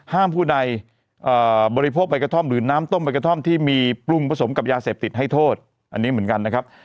ผู้ใดบริโภคใบกระท่อมหรือน้ำต้มใบกระท่อมที่มีปรุงผสมกับยาเสพติดให้โทษอันนี้เหมือนกันนะครับ